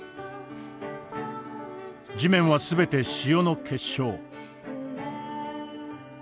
地面は全て塩の結晶。